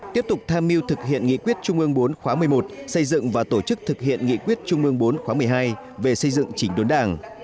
tiếp tục tham mưu thực hiện nghị quyết trung ương bốn khóa một mươi một xây dựng và tổ chức thực hiện nghị quyết trung ương bốn khóa một mươi hai về xây dựng chỉnh đốn đảng